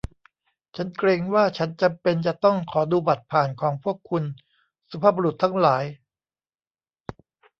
ฉันเกรงว่าฉันจำเป็นจะต้องขอดูบัตรผ่านของพวกคุณ สุภาพบุรุษทั้งหลาย